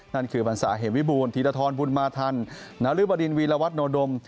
นั่นคือบรรสาเหมวิบูรณ์ธิรฐรบุญมาธรรมนริบดินวีรวัตนโดม